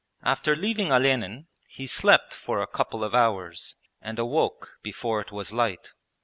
After leaving Olenin he slept for a couple of hours and awoke before it was light.